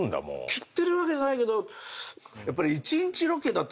切ってるわけじゃないけどやっぱり。